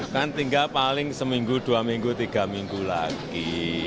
kan tinggal paling seminggu dua minggu tiga minggu lagi